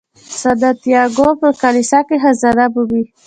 سانتیاګو په کلیسا کې خزانه مومي.